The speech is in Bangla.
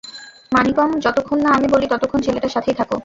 মানিকম, যতক্ষণ না আমি বলি ততক্ষণ ছেলেটার সাথেই থাকো।